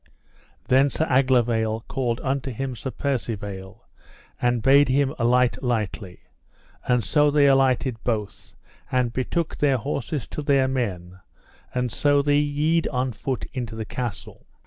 Then Sir Aglovale called unto him Sir Percivale, and bade him alight lightly; and so they alighted both, and betook their horses to their men, and so they yede on foot into the castle.